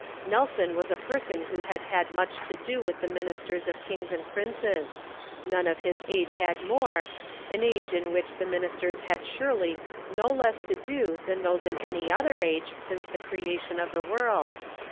Nelson was a person who had had much to do with the ministers of kings and princes ; none of his age had more, — an age in which the ministers had surely no less to do than those in any other age since the creation of the world.